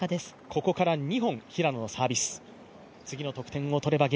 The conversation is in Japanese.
ここから２本、平野のサービス。